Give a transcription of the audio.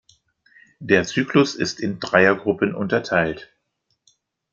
Der Zyklus ist in Dreiergruppen unterteilt.